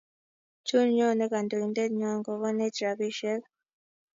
Tun nyone kandoindet nyon kokonech rabisiek